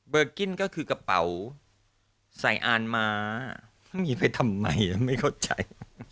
กิ้นก็คือกระเป๋าใส่อ่านม้ามีไปทำไมไม่เข้าใจ